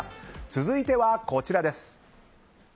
続いてはこちらです。